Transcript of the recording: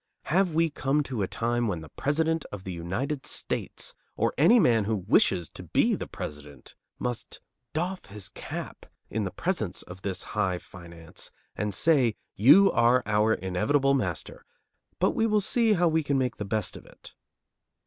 Have we come to a time when the President of the United States or any man who wishes to be the President must doff his cap in the presence of this high finance, and say, "You are our inevitable master, but we will see how we can make the best of it?"